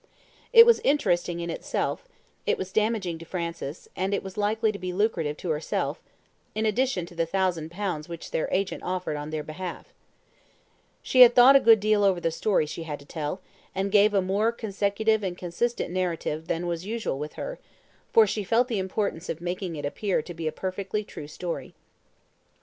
It was interesting in itself, it was damaging to Francis, and it was likely to be lucrative to herself, for she hoped for a further reward from the grateful nieces, in addition to the thousand pounds which their agent offered on their behalf. She had thought a good deal over the story she had to tell, and gave a more consecutive and consistent narrative than was usual with her, for she felt the importance of making it appear to be a perfectly true story.